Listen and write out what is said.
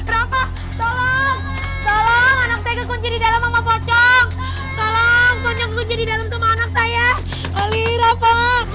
rafa tolong anaknya di dalam sama pocong tolong kunjung di dalam teman saya oli rafa